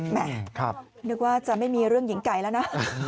แม่นึกว่าจะไม่มีเรื่องหญิงไก่แล้วนะ